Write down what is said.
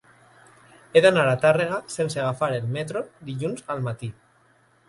He d'anar a Tàrrega sense agafar el metro dilluns al matí.